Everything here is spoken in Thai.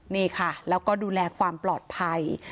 นี่ค่ะแล้วก็ดูแลความปลอดภัย